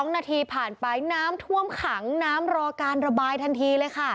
๒นาทีผ่านไปน้ำท่วมขังน้ำรอการระบายทันทีเลยค่ะ